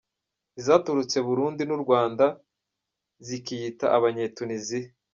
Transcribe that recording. Izaturutse Burundi n’ Urwanda zikiyita abanye Tunisia.